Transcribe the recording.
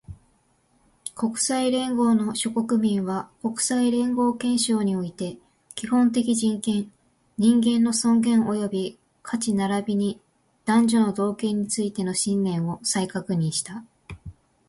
国際連合の諸国民は、国際連合憲章において、基本的人権、人間の尊厳及び価値並びに男女の同権についての信念を再確認した